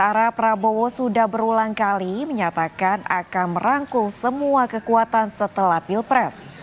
arah prabowo sudah berulang kali menyatakan akan merangkul semua kekuatan setelah pilpres